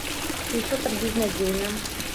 Ці ўсё так безнадзейна?